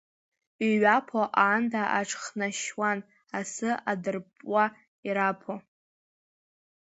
Иҩаԥо, аанда аҽхнашьуан, асы адырппуа, ирапо.